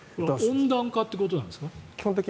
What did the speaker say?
温暖化ということですか。